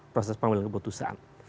proses pengambilan keputusan